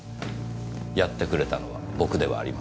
やってくれたのは僕ではありません。